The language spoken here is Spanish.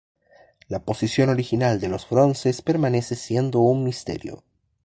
La posición original de los bronces permanece siendo un misterio.